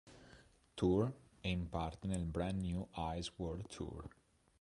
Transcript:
Tour" e in parte nel "Brand New Eyes World Tour".